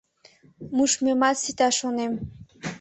Мушмемат сита, шонем.